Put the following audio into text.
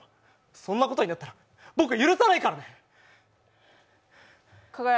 そんなことになったら僕許さないからね！